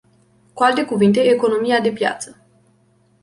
Cu alte cuvinte, economia de piață.